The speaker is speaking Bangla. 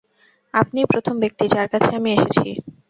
আপনিই প্রথম ব্যক্তি, যাঁর কাছে আমি এসেছি।